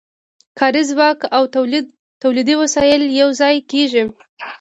کاري ځواک او تولیدي وسایل یوځای کېږي